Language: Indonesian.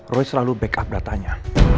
roy selalu backup datanya